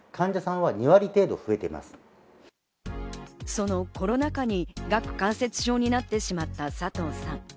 そのコロナ禍に顎関節症になってしまった佐藤さん。